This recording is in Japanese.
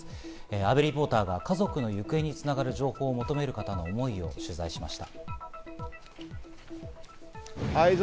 阿部リポーターが家族の行方に繋がる情報を求める方の思いを取材しました。